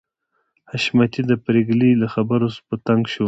حشمتي د پريګلې له خبرو په تنګ شو